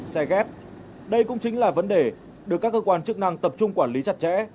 xe ghép đây cũng chính là vấn đề được các cơ quan chức năng tập trung quản lý chặt chẽ